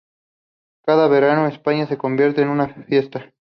Cada verano, España se convierte en una fiesta.